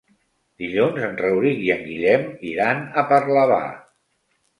Dilluns en Rauric i en Guillem iran a Parlavà.